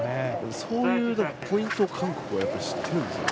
そういうポイントを韓国は、知っているんですね。